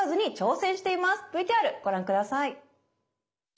ＶＴＲご覧下さい。